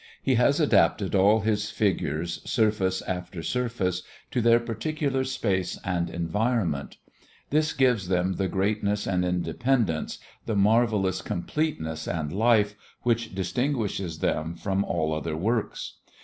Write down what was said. He has adapted all his figures, surface after surface, to their particular space and environment; this gives them the greatness and independence, the marvelous completeness and life which distinguishes them from all other works.